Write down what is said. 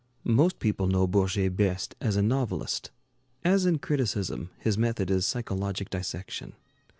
Most people know Bourget best as a novelist. As in criticism, his method is psychologic dissection.